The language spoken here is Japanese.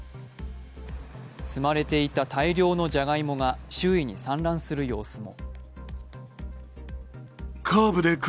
積まれていた大量のジャガイモが周囲に散乱する様子も。